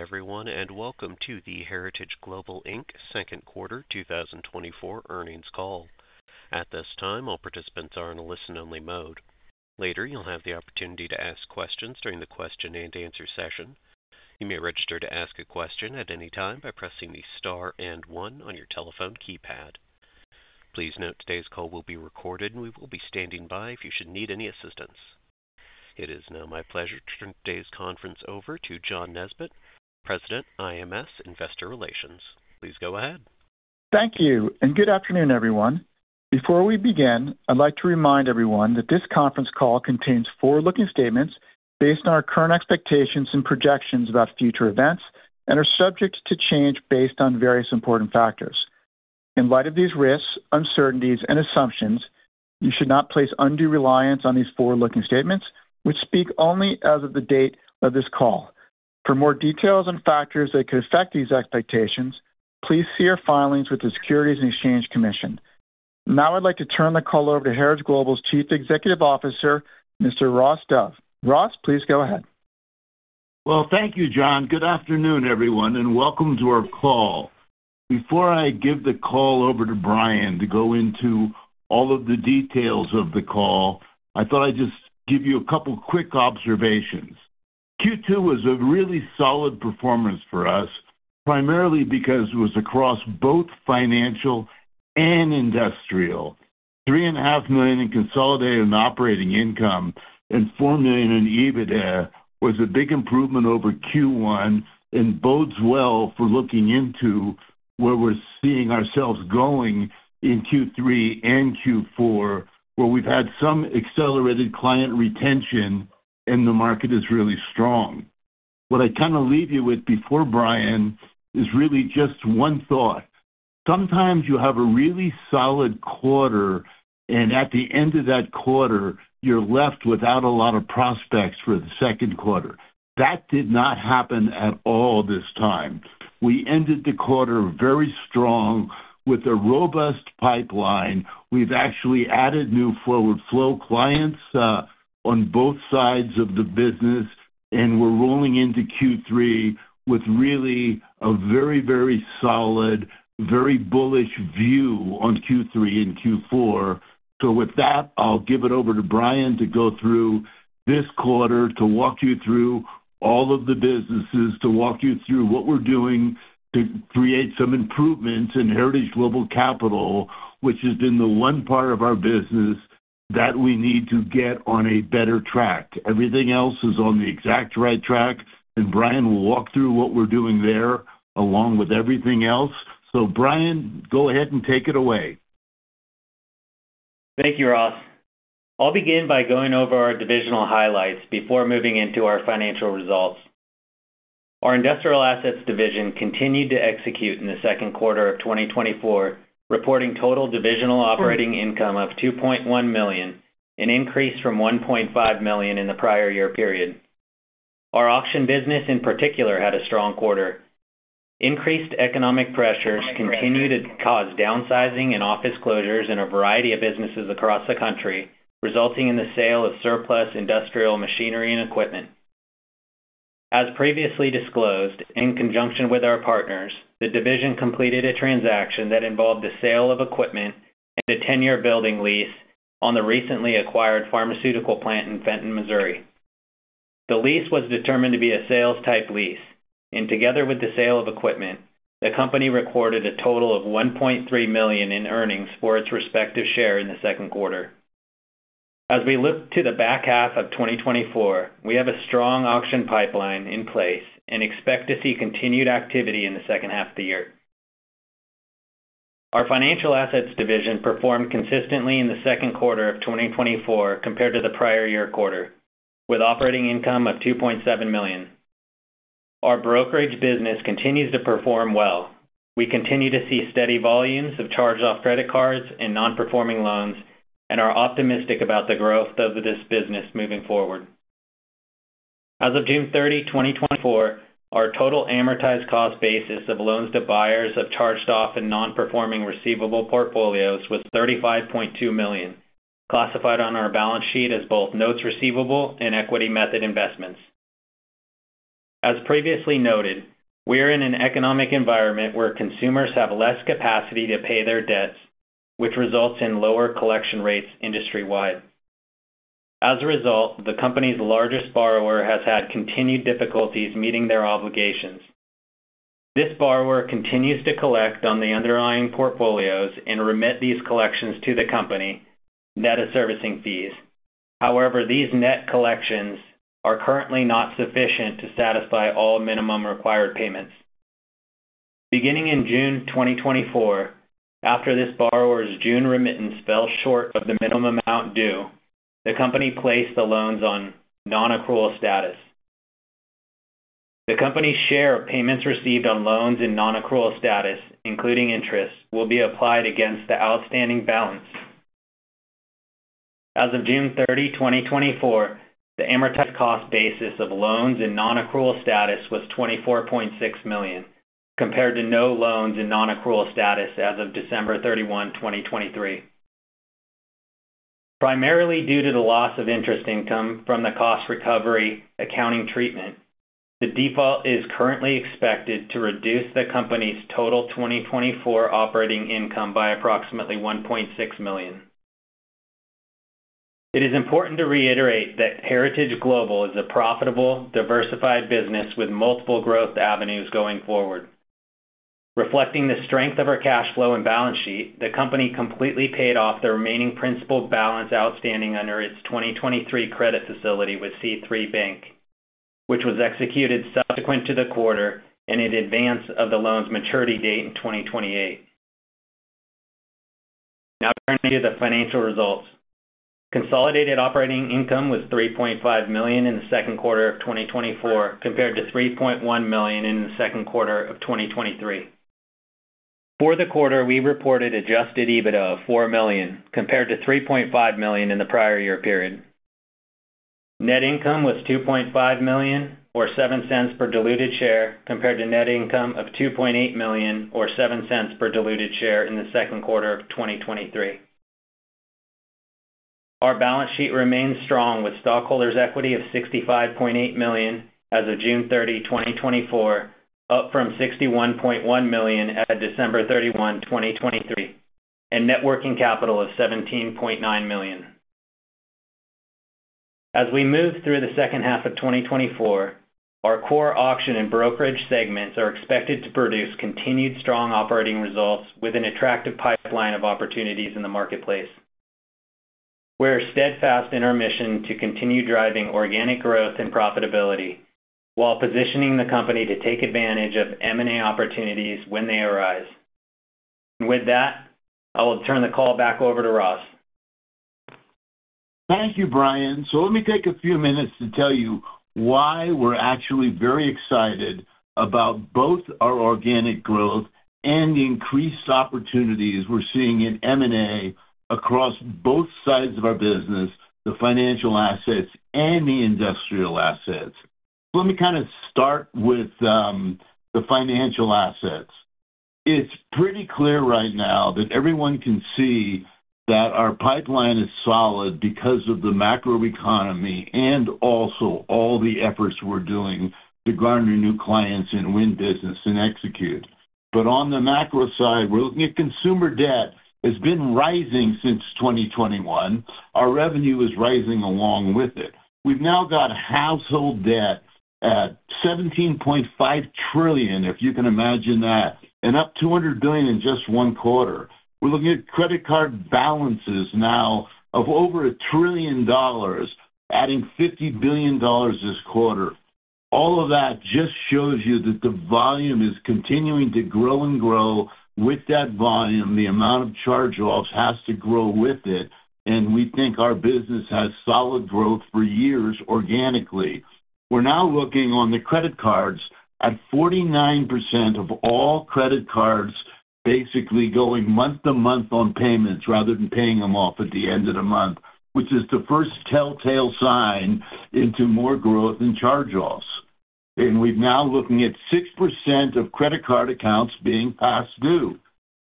Good day, everyone, and welcome to the Heritage Global Inc. second quarter 2024 earnings call. At this time, all participants are in a listen-only mode. Later, you'll have the opportunity to ask questions during the question-and-answer session. You may register to ask a question at any time by pressing the Star and One on your telephone keypad. Please note, today's call will be recorded, and we will be standing by if you should need any assistance. It is now my pleasure to turn today's conference over to John Nesbett, President, IMS Investor Relations. Please go ahead. Thank you, and good afternoon, everyone. Before we begin, I'd like to remind everyone that this conference call contains forward-looking statements based on our current expectations and projections about future events and are subject to change based on various important factors. In light of these risks, uncertainties, and assumptions, you should not place undue reliance on these forward-looking statements, which speak only as of the date of this call. For more details and factors that could affect these expectations, please see our filings with the Securities and Exchange Commission. Now, I'd like to turn the call over to Heritage Global's Chief Executive Officer, Mr. Ross Dove. Ross, please go ahead. Well, thank you, John. Good afternoon, everyone, and welcome to our call. Before I give the call over to Brian to go into all of the details of the call, I thought I'd just give you a couple of quick observations. Q2 was a really solid performance for us, primarily because it was across both financial and industrial. $3.5 million in consolidated operating income and $4 million in EBITDA was a big improvement over Q1 and bodes well for looking into where we're seeing ourselves going in Q3 and Q4, where we've had some accelerated client retention and the market is really strong. What I leave you with before Brian, is really just one thought. Sometimes you have a really solid quarter, and at the end of that quarter, you're left without a lot of prospects for the second quarter. That did not happen at all this time. We ended the quarter very strong with a robust pipeline. We've actually added new forward flow clients on both sides of the business, and we're rolling into Q3 with really a very, very solid, very bullish view on Q3 and Q4. So with that, I'll give it over to Brian to go through this quarter, to walk you through all of the businesses, to walk you through what we're doing to create some improvements in Heritage Global Capital, which has been the one part of our business that we need to get on a better track. Everything else is on the exact right track, and Brian will walk through what we're doing there, along with everything else. So Brian, go ahead and take it away. Thank you, Ross. I'll begin by going over our divisional highlights before moving into our financial results. Our industrial assets division continued to execute in the second quarter of 2024, reporting total divisional operating income of $2.1 million, an increase from $1.5 million in the prior year period. Our auction business, in particular, had a strong quarter. Increased economic pressures continue to cause downsizing and office closures in a variety of businesses across the country, resulting in the sale of surplus industrial machinery and equipment. As previously disclosed, in conjunction with our partners, the division completed a transaction that involved the sale of equipment and a 10-year building lease on the recently acquired pharmaceutical plant in Fenton, Missouri. The lease was determined to be a sales-type lease, and together with the sale of equipment, the company recorded a total of $1.3 million in earnings for its respective share in the second quarter. As we look to the back half of 2024, we have a strong auction pipeline in place and expect to see continued activity in the second half of the year. Our financial assets division performed consistently in the second quarter of 2024 compared to the prior year quarter, with operating income of $2.7 million. Our brokerage business continues to perform well. We continue to see steady volumes of charged-off credit cards and non-performing loans and are optimistic about the growth of this business moving forward. As of June 30, 2024, our total amortized cost basis of loans to buyers of charged-off and non-performing receivable portfolios was $35.2 million, classified on our balance sheet as both notes receivable and equity method investments. As previously noted, we are in an economic environment where consumers have less capacity to pay their debts, which results in lower collection rates industry-wide. As a result, the company's largest borrower has had continued difficulties meeting their obligations. This borrower continues to collect on the underlying portfolios and remit these collections to the company net of servicing fees. However, these net collections are currently not sufficient to satisfy all minimum required payments. Beginning in June 2024, after this borrower's June remittance fell short of the minimum amount due, the company placed the loans on non-accrual status. The company's share of payments received on loans in non-accrual status, including interest, will be applied against the outstanding balance. As of June 30, 2024, the amortized cost basis of loans in non-accrual status was $24.6 million, compared to no loans in non-accrual status as of December 31, 2023, primarily due to the loss of interest income from the cost recovery accounting treatment. The default is currently expected to reduce the company's total 2024 operating income by approximately $1.6 million. It is important to reiterate that Heritage Global is a profitable, diversified business with multiple growth avenues going forward. Reflecting the strength of our cash flow and balance sheet, the company completely paid off the remaining principal balance outstanding under its 2023 credit facility with C3 Bank, which was executed subsequent to the quarter and in advance of the loan's maturity date in 2028. Now turning to the financial results. Consolidated operating income was $3.5 million in the second quarter of 2024, compared to $3.1 million in the second quarter of 2023. For the quarter, we reported Adjusted EBITDA of $4 million, compared to $3.5 million in the prior year period. Net income was $2.5 million, or $0.07 per diluted share, compared to net income of $2.8 million, or $0.07 per diluted share in the second quarter of 2023. Our balance sheet remains strong, with stockholders' equity of $65.8 million as of June 30, 2024, up from $61.1 million at December 31, 2023, and net working capital of $17.9 million. As we move through the second half of 2024, our core auction and brokerage segments are expected to produce continued strong operating results with an attractive pipeline of opportunities in the marketplace. We are steadfast in our mission to continue driving organic growth and profitability while positioning the company to take advantage of M&A opportunities when they arise. With that, I will turn the call back over to Ross. Thank you, Brian. So let me take a few minutes to tell you why we're actually very excited about both our organic growth and the increased opportunities we're seeing in M&A across both sides of our business, the financial assets and the industrial assets. Let me kind of start with the financial assets. It's pretty clear right now that everyone can see that our pipeline is solid because of the macroeconomy and also all the efforts we're doing to garner new clients and win business and execute. But on the macro side, we're looking at consumer debt has been rising since 2021. Our revenue is rising along with it. We've now got household debt at $17.5 trillion, if you can imagine that, and up $200 billion in just one quarter. We're looking at credit card balances now of over $1 trillion, adding $50 billion this quarter. All of that just shows you that the volume is continuing to grow and grow. With that volume, the amount of charge-offs has to grow with it, and we think our business has solid growth for years organically. We're now looking on the credit cards at 49% of all credit cards, basically going month to month on payments rather than paying them off at the end of the month, which is the first telltale sign into more growth in charge-offs. We're now looking at 6% of credit card accounts being past due.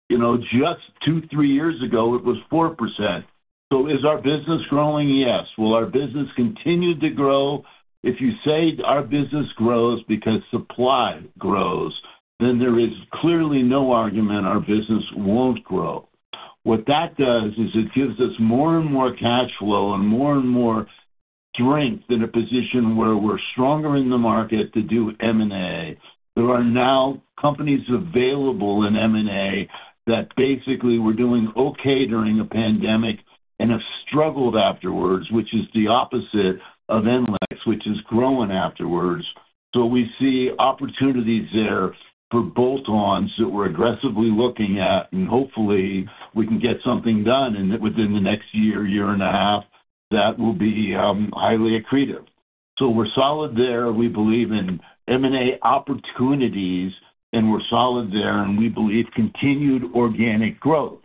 You know, just two, three years ago, it was 4%. So is our business growing? Yes. Will our business continue to grow? If you say our business grows because supply grows, then there is clearly no argument our business won't grow. What that does is it gives us more and more cash flow and more and more strength in a position where we're stronger in the market to do M&A. There are now companies available in M&A that basically were doing okay during the pandemic and have struggled afterwards, which is the opposite of NLEX, which is growing afterwards. So we see opportunities there for bolt-ons that we're aggressively looking at, and hopefully, we can get something done, and within the next year, year and a half, that will be highly accretive. So we're solid there. We believe in M&A opportunities, and we're solid there, and we believe continued organic growth.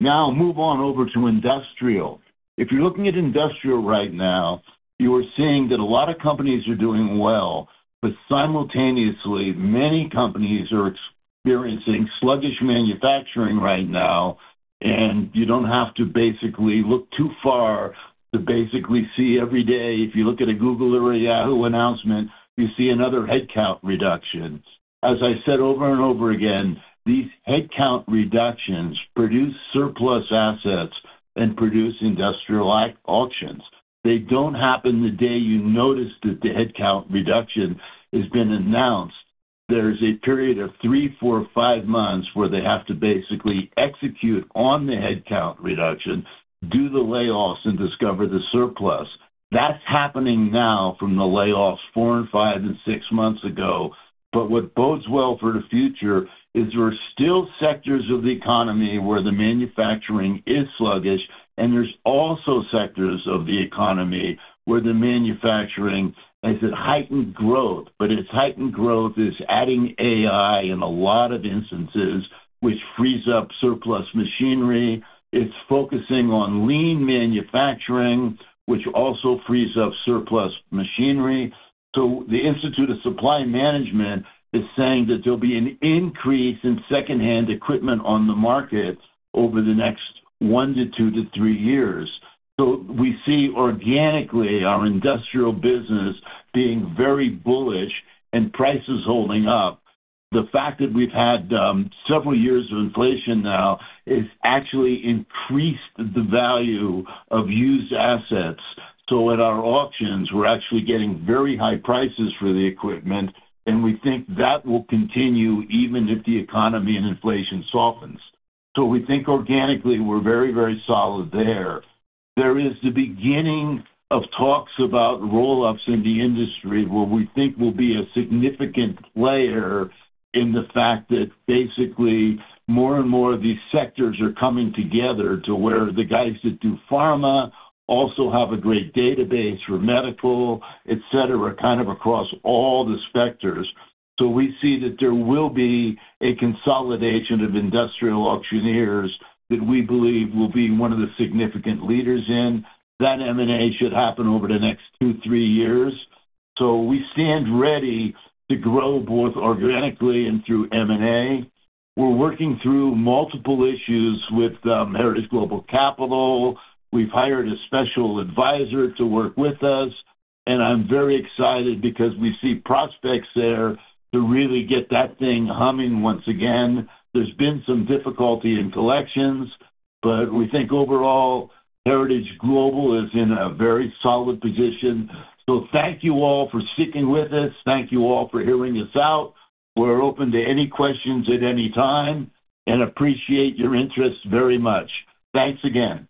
Now move on over to industrial. If you're looking at industrial right now, you are seeing that a lot of companies are doing well, but simultaneously, many companies are experiencing sluggish manufacturing right now, and you don't have to basically look too far to basically see every day. If you look at a Google or a Yahoo announcement, you see another headcount reduction. As I said over and over again, these headcount reductions produce surplus assets and produce industrial auctions. They don't happen the day you notice that the headcount reduction has been announced. There is a period of three, four, or five months where they have to basically execute on the headcount reduction, do the layoffs, and discover the surplus. That's happening now from the layoffs four, five, and six months ago. But what bodes well for the future is there are still sectors of the economy where the manufacturing is sluggish, and there's also sectors of the economy where the manufacturing has a heightened growth. But its heightened growth is adding AI in a lot of instances, which frees up surplus machinery. It's focusing on lean manufacturing, which also frees up surplus machinery. So the Institute for Supply Management is saying that there'll be an increase in secondhand equipment on the market over the next one to two to three years. So we see organically our industrial business being very bullish and prices holding up. The fact that we've had several years of inflation now has actually increased the value of used assets. So at our auctions, we're actually getting very high prices for the equipment, and we think that will continue even if the economy and inflation softens. So we think organically, we're very, very solid there. There is the beginning of talks about roll-ups in the industry, where we think will be a significant player in the fact that basically, more and more of these sectors are coming together to where the guys that do pharma also have a great database for medical, et cetera, kind of across all the sectors. So we see that there will be a consolidation of industrial auctioneers that we believe will be one of the significant leaders in. That M&A should happen over the next two - three years. So we stand ready to grow both organically and through M&A. We're working through multiple issues with Heritage Global Capital. We've hired a special advisor to work with us, and I'm very excited because we see prospects there to really get that thing humming once again. There's been some difficulty in collections, but we think overall, Heritage Global is in a very solid position. Thank you all for sticking with us. Thank you all for hearing us out. We're open to any questions at any time and appreciate your interest very much. Thanks again.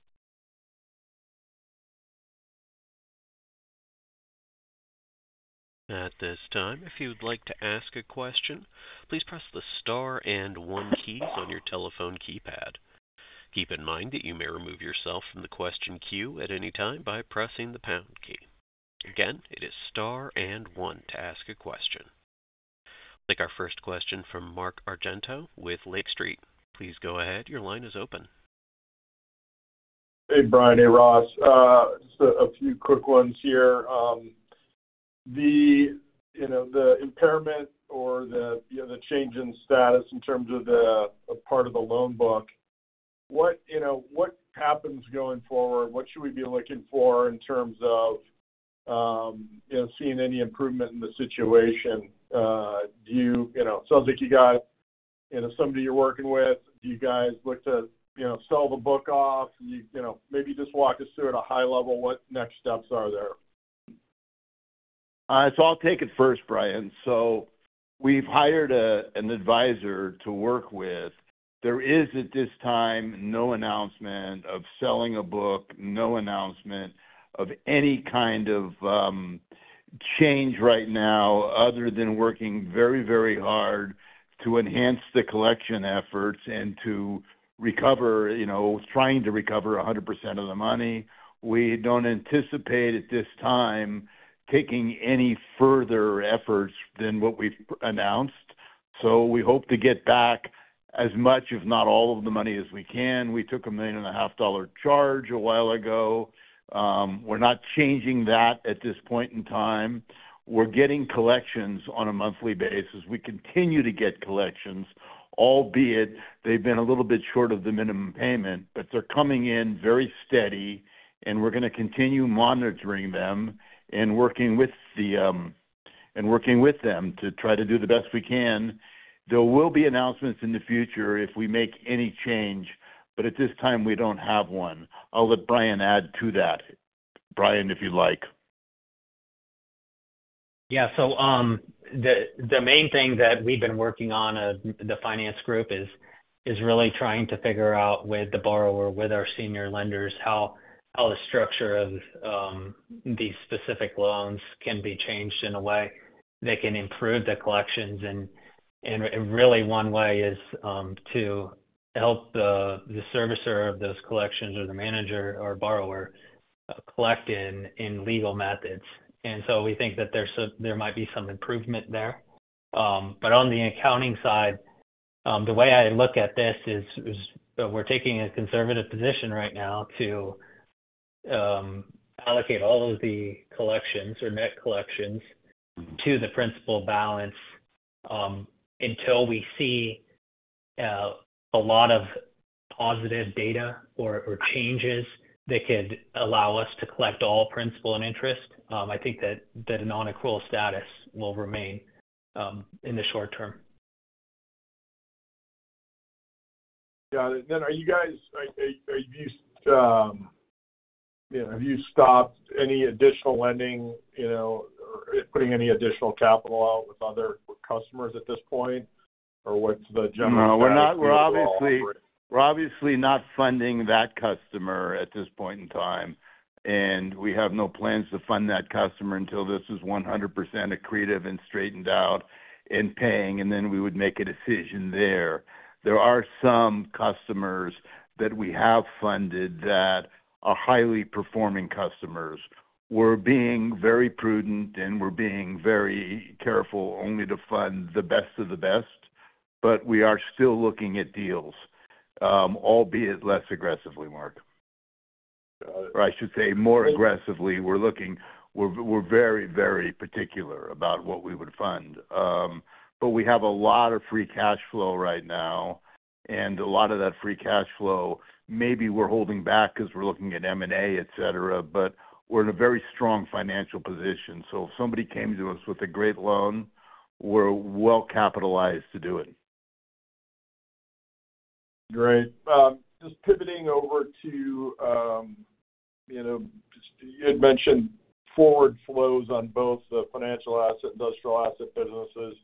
At this time, if you would like to ask a question, please press the star and one key on your telephone keypad. Keep in mind that you may remove yourself from the question queue at any time by pressing the pound key. Again, it is star and one to ask a question. I'll take our first question from Mark Argento with Lake Street. Please go ahead. Your line is open. Hey, Brian. Hey, Ross. Just a few quick ones here. You know, the impairment or the, you know, the change in status in terms of the, a part of the loan book, what, you know, what happens going forward? What should we be looking for in terms of, you know, seeing any improvement in the situation? You know, it sounds like you got, you know, somebody you're working with. Do you guys look to, you know, sell the book off? You know, maybe just walk us through at a high level, what next steps are there? So I'll take it first, Brian. So we've hired an advisor to work with. There is, at this time, no announcement of selling a book, no announcement of any kind of change right now, other than working very, very hard to enhance the collection efforts and to recover, you know, trying to recover 100% of the money. We don't anticipate at this time taking any further efforts than what we've announced. So we hope to get back as much, if not all, of the money as we can. We took a $1.5 million charge a while ago. We're not changing that at this point in time. We're getting collections on a monthly basis. We continue to get collections, albeit they've been a little bit short of the minimum payment, but they're coming in very steady, and we're going to continue monitoring them and working with the, and working with them to try to do the best we can. There will be announcements in the future if we make any change, but at this time, we don't have one. I'll let Brian add to that. Brian, if you'd like. Yeah. So, the main thing that we've been working on, the finance group is really trying to figure out with the borrower, with our senior lenders, how the structure of these specific loans can be changed in a way that can improve the collections. And really one way is to help the servicer of those collections or the manager or borrower collect in legal methods. And so we think that there might be some improvement there. But on the accounting side, the way I look at this is we're taking a conservative position right now to allocate all of the collections or net collections to the principal balance until we see a lot of positive data or changes that could allow us to collect all principal and interest. I think that a non-accrual status will remain in the short term. Got it. Then, are you guys, you know, have you stopped any additional lending, you know, or putting any additional capital out with other customers at this point? Or what's the general- No, we're not. We're obviously, we're obviously not funding that customer at this point in time, and we have no plans to fund that customer until this is 100% accretive and straightened out and paying, and then we would make a decision there. There are some customers that we have funded that are highly performing customers. We're being very prudent, and we're being very careful only to fund the best of the best, but we are still looking at deals, albeit less aggressively, Mark. Got it. Or I should say, more aggressively, we're looking... We're, we're very, very particular about what we would fund. But we have a lot of free cash flow right now.... and a lot of that free cash flow, maybe we're holding back because we're looking at M&A, et cetera, but we're in a very strong financial position. So if somebody came to us with a great loan, we're well capitalized to do it. Great. Just pivoting over to, you know, just you had mentioned forward flows on both the financial asset, industrial asset businesses,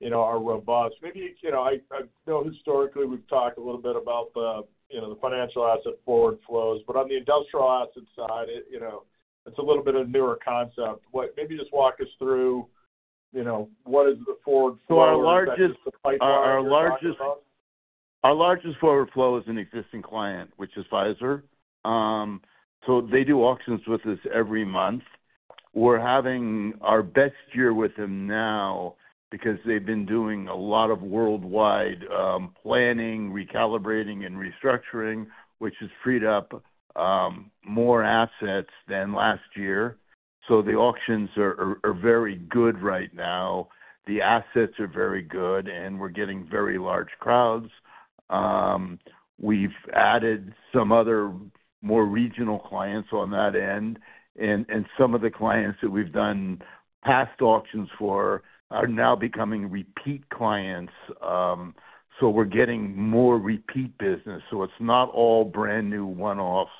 you know, are robust. Maybe, you know, I know historically, we've talked a little bit about the, you know, the financial asset forward flows, but on the industrial asset side, it, you know, it's a little bit of a newer concept. What, maybe just walk us through, you know, what is the forward flow? So our largest- Is that just the pipe you're talking about? Our largest forward flow is an existing client, which is Pfizer. So they do auctions with us every month. We're having our best year with them now because they've been doing a lot of worldwide planning, recalibrating, and restructuring, which has freed up more assets than last year. So the auctions are very good right now. The assets are very good, and we're getting very large crowds. We've added some other more regional clients on that end, and some of the clients that we've done past auctions for are now becoming repeat clients. So we're getting more repeat business, so it's not all brand new one-offs,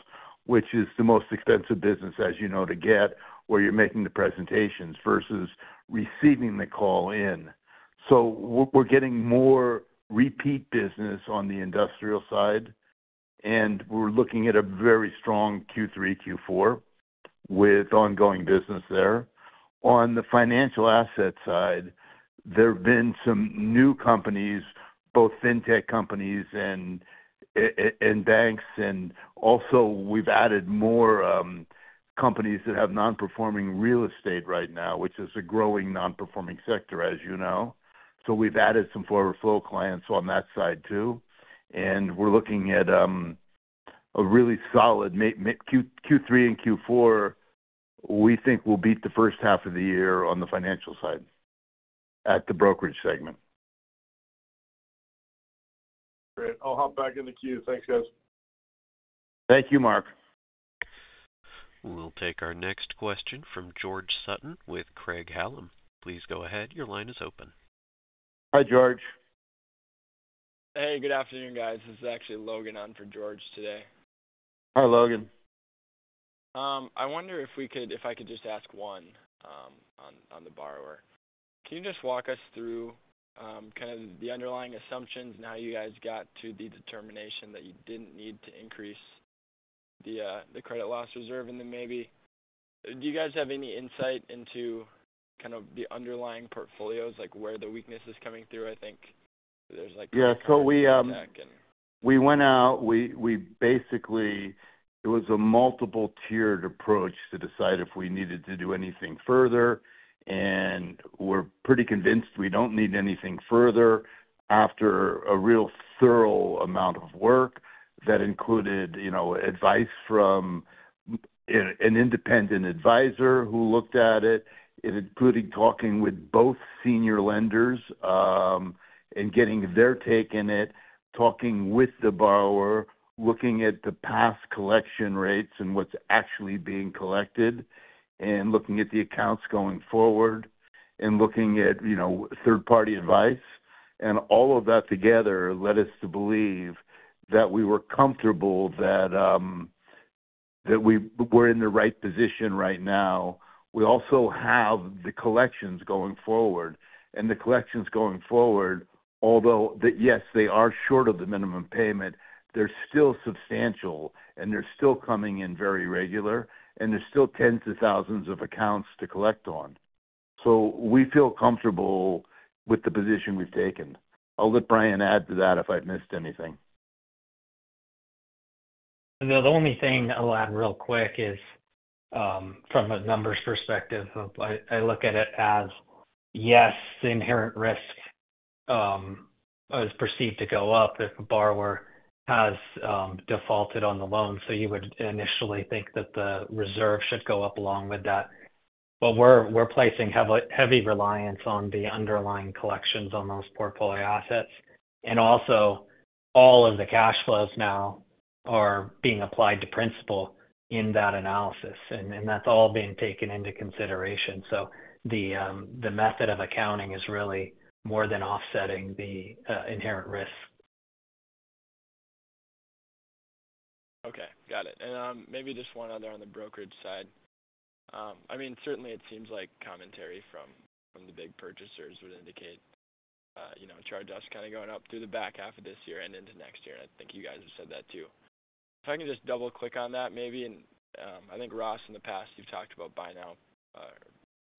which is the most expensive business, as you know, to get, where you're making the presentations versus receiving the call in. So we're getting more repeat business on the industrial side, and we're looking at a very strong Q3, Q4 with ongoing business there. On the financial asset side, there have been some new companies, both fintech companies and and banks, and also we've added more, companies that have non-performing real estate right now, which is a growing non-performing sector, as you know. So we've added some forward flow clients on that side, too, and we're looking at, a really solid Q3 and Q4, we think will beat the first half of the year on the financial side, at the brokerage segment. Great. I'll hop back in the queue. Thanks, guys. Thank you, Mark. We'll take our next question from George Sutton with Craig-Hallum. Please go ahead. Your line is open. Hi, George. Hey, good afternoon, guys. This is actually Logan on for George today. Hi, Logan. I wonder if we could—if I could just ask one on the borrower. Can you just walk us through kind of the underlying assumptions and how you guys got to the determination that you didn't need to increase the credit loss reserve? And then maybe, do you guys have any insight into kind of the underlying portfolios, like, where the weakness is coming through? I think there's like- Yeah, so we went out. We basically, it was a multiple tiered approach to decide if we needed to do anything further, and we're pretty convinced we don't need anything further after a real thorough amount of work that included, you know, advice from an independent advisor who looked at it, including talking with both senior lenders and getting their take on it, talking with the borrower, looking at the past collection rates and what's actually being collected, and looking at the accounts going forward, and looking at, you know, third-party advice. And all of that together led us to believe that we were comfortable that we were in the right position right now. We also have the collections going forward, and the collections going forward, although that, yes, they are short of the minimum payment, they're still substantial, and they're still coming in very regular, and there's still tens of thousands of accounts to collect on. So we feel comfortable with the position we've taken. I'll let Brian add to that if I've missed anything. The only thing I'll add real quick is, from a numbers perspective, I look at it as, yes, inherent risk is perceived to go up if a borrower has defaulted on the loan, so you would initially think that the reserve should go up along with that. But we're placing heavy, heavy reliance on the underlying collections on those portfolio assets, and also all of the cash flows now are being applied to principal in that analysis, and that's all being taken into consideration. So the method of accounting is really more than offsetting the inherent risk. Okay, got it. And, maybe just one other on the brokerage side. I mean, certainly it seems like commentary from the big purchasers would indicate, you know, charge-offs kind of going up through the back half of this year and into next year, and I think you guys have said that, too. If I can just double click on that, maybe, and, I think, Ross, in the past, you've talked about buy now,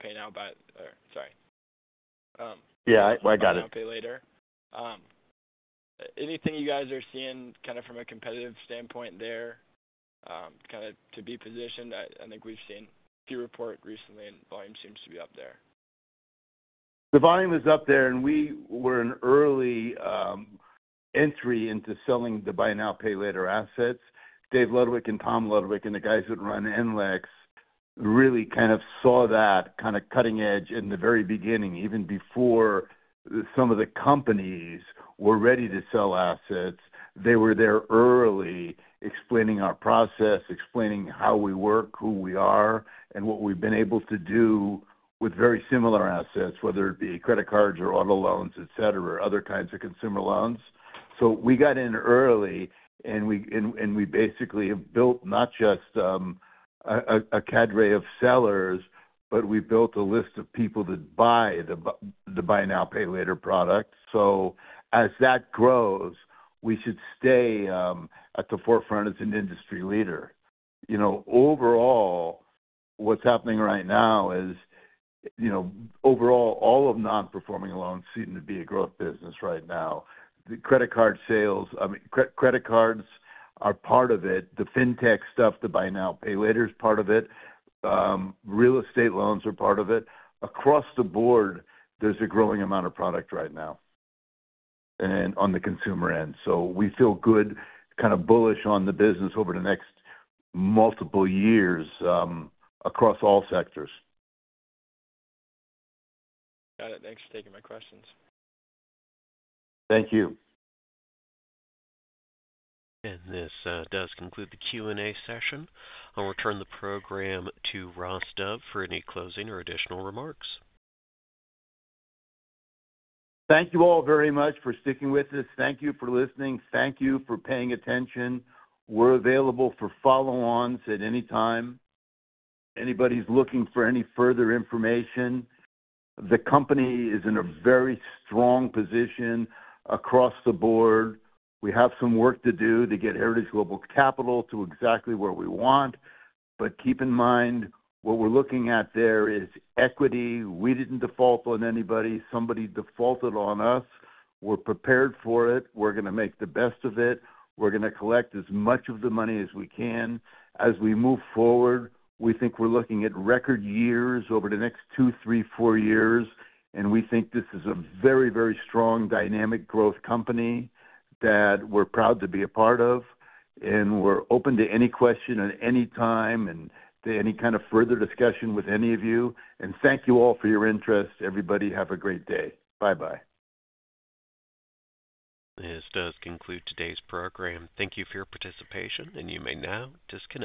pay now, buy it, sorry. Yeah, I got it. Buy now, pay later. Anything you guys are seeing kind of from a competitive standpoint there, kind of to be positioned? I think we've seen Q Report recently, and volume seems to be up there. The volume is up there, and we were an early entry into selling the buy now, pay later assets. Dave Ludwig and Tom Ludwig, and the guys that run NLEX really kind of saw that kind of cutting edge in the very beginning. Even before some of the companies were ready to sell assets, they were there early, explaining our process, explaining how we work, who we are, and what we've been able to do with very similar assets, whether it be credit cards or auto loans, et cetera, or other kinds of consumer loans. So we got in early, and we basically have built not just a cadre of sellers, but we built a list of people that buy the buy now, pay later product. So as that grows, we should stay at the forefront as an industry leader. You know, overall, what's happening right now is, you know, overall, all of non-performing loans seem to be a growth business right now. The credit card sales, I mean, credit cards are part of it. The fintech stuff, the buy now, pay later, is part of it. Real estate loans are part of it. Across the board, there's a growing amount of product right now and on the consumer end. So we feel good, kind of bullish on the business over the next multiple years, across all sectors. Got it. Thanks for taking my questions. Thank you. This does conclude the Q&A session. I'll return the program to Ross Dove for any closing or additional remarks. Thank you all very much for sticking with us. Thank you for listening. Thank you for paying attention. We're available for follow-ons at any time. Anybody's looking for any further information, the company is in a very strong position across the board. We have some work to do to get Heritage Global Capital to exactly where we want, but keep in mind, what we're looking at there is equity. We didn't default on anybody. Somebody defaulted on us. We're prepared for it. We're gonna make the best of it. We're gonna collect as much of the money as we can. As we move forward, we think we're looking at record years over the next two, three, four years, and we think this is a very, very strong, dynamic growth company that we're proud to be a part of, and we're open to any question at any time and to any kind of further discussion with any of you. Thank you all for your interest. Everybody, have a great day. Bye-bye. This does conclude today's program. Thank you for your participation, and you may now disconnect.